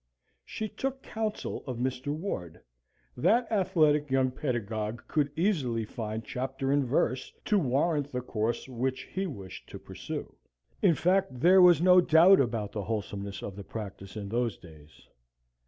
She took counsel of Mr. Ward. That athletic young pedagogue could easily find chapter and verse to warrant the course which he wished to pursue in fact, there was no doubt about the wholesomeness of the practice in those clays.